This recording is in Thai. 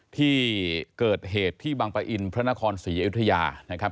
ที่เกิดเหตุที่บังปะอินพระนครศรีอยุธยานะครับ